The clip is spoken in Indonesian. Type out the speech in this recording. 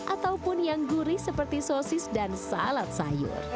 ataupun yang gurih seperti sosis dan salad sayur